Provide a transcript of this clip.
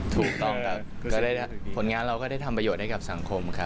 ถูกต้องครับก็ได้ผลงานเราก็ได้ทำประโยชน์ให้กับสังคมครับ